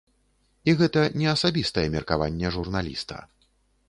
І гэта не асабістае меркаванне журналіста.